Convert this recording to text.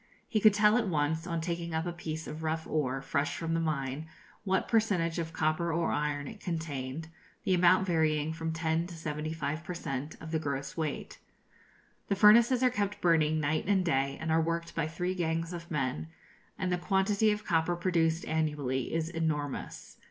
He could tell at once, on taking up a piece of rough ore, fresh from the mine, what percentage of copper or iron it contained, the amount varying from ten to seventy five per cent, of the gross weight. The furnaces are kept burning night and day, and are worked by three gangs of men; and the quantity of copper produced annually is enormous.